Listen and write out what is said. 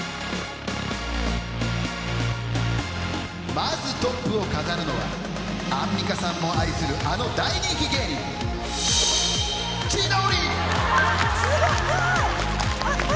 まずトップを飾るのはアンミカさんも愛するあの大人気芸人千鳥！